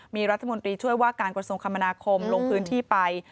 มีรัฐมนตรีช่วยว่าการกระทรวงคมนาคมลงพื้นที่ไป